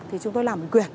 thì chúng tôi làm quyền